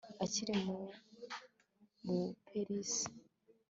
akiri mu buperisi